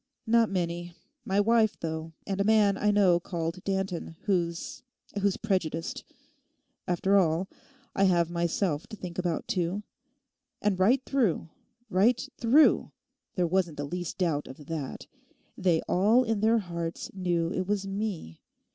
Not many; my wife, though, and a man I know called Danton, who—who's prejudiced. After all, I have myself to think about too. And right through, right through—there wasn't the least doubt of that—they all in their hearts knew it was me.